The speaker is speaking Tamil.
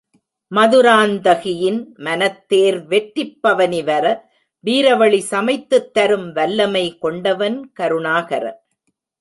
மதுராந்தகியின் மனத்தேர் வெற்றிப் பவனி வர வீரவழி சமைத்துத் தரும் வல்லமை கொண்டவன் கருணாகரன்.